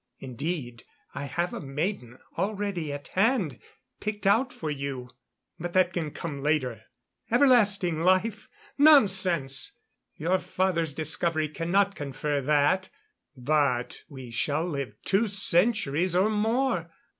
Indeed, I have a maiden already at hand, picked out for you.... But that can come later.... Everlasting life? Nonsense! Your father's discovery cannot confer that. But we shall live two centuries or more.